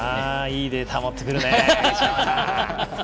いいデータ持ってくるね内山さん！